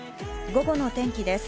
午後の天気です。